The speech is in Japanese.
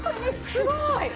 すごい！